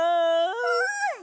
うん！